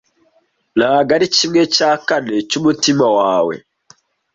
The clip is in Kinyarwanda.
ntabwo ari kimwe cya kane cyumutima wawe